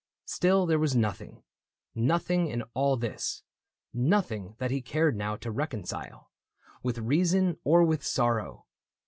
Still there was nothing, nothing, in all this — Nothing that he cared now to reconcile With reason or with sorrow.